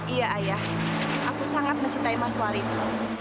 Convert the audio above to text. iya ayah aku sangat mencintai mas walid